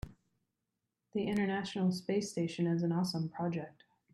The international space station is an awesome project.